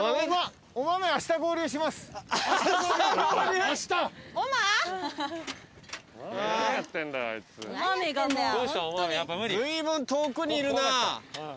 ずいぶん遠くにいるな。